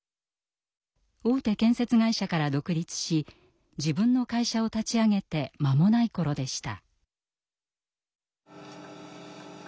大手建設会社から独立し自分の会社を立ち上げて間もない頃でした。